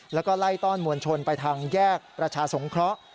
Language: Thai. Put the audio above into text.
แล้วก็ไล่ต้อนมวลชนไปทางแยกประชาสงเคราะห์